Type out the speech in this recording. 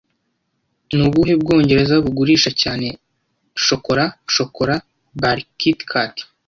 Ni ubuhe Bwongereza bugurisha cyane shokora shokora bar Kit Kat